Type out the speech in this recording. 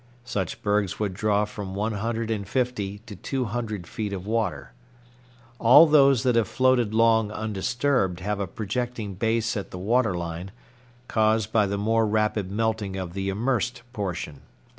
Such bergs would draw from one hundred and fifty to two hundred feet of water. All those that have floated long undisturbed have a projecting base at the water line, caused by the more rapid melting of the immersed portion.